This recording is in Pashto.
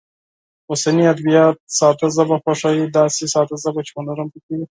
اوسني ادبیات ساده ژبه خوښوي، داسې ساده ژبه چې هنر هم پکې وي.